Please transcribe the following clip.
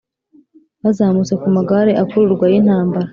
bazamutse ku magare akururwa y’intambara,